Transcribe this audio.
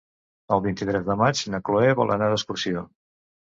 El vint-i-tres de maig na Cloè vol anar d'excursió.